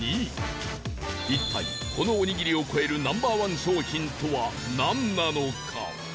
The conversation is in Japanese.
一体このオニギリを超える Ｎｏ．１ 商品とはなんなのか？